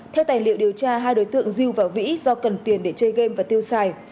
theo tài liệu điều tra hai đối tượng dư và vĩ do cần tiền để chơi game và tiêu xài